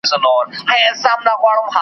لوی او کم نارې وهلې په خنداوه .